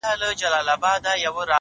د ژوند په څو لارو كي ـ